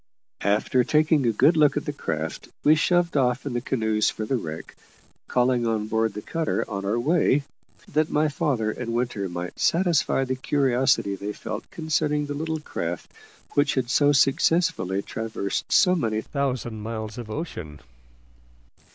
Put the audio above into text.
After taking a good look at the craft, we shoved off in the canoes for the wreck, calling on board the cutter on our way, that my father and Winter might satisfy the curiosity they felt concerning the little craft which had so successfully traversed so many thousand miles of ocean.